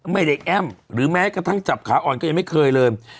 ไม่ได้แอ้มหรือแม้กระทั่งจับขาอ่อนก็ยังไม่เคยเลย